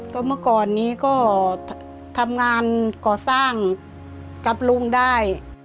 ก็เมื่อก่อนนี้ก็ทำงานก่อสร้างกับลุงได้